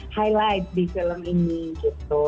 highlight di film ini gitu